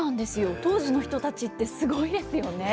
当時の人たちってすごいですよね。